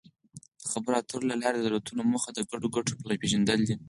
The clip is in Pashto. د خبرو اترو له لارې د دولتونو موخه د ګډو ګټو پېژندل دي